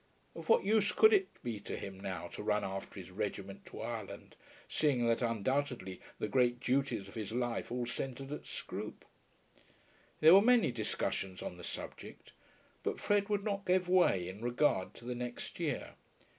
Of what use could it be to him now to run after his regiment to Ireland, seeing that undoubtedly the great duties of his life all centred at Scroope? There were many discussions on the subject, but Fred would not give way in regard to the next year.